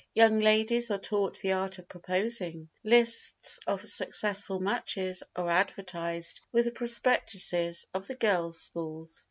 Young ladies are taught the art of proposing. Lists of successful matches are advertised with the prospectuses of all the girls' schools.